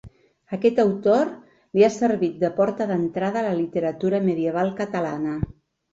Aquest autor li ha servit de porta d’entrada a la literatura medieval catalana.